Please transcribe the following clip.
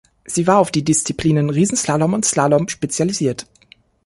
Sie war auf die Disziplinen Riesenslalom und Slalom spezialisiert.